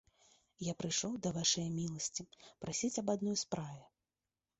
Я прыйшоў да вашае міласці прасіць аб адной справе.